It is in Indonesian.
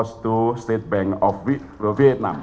salam kembali kepada bank negara vietnam